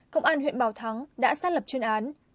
công an huyện bảo thắng đã xác lập chuyên án